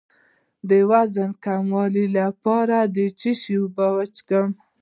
د وزن د کمولو لپاره د څه شي اوبه وڅښم؟